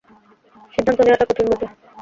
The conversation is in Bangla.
সিদ্ধান্ত নেয়াটা কঠিন বটে।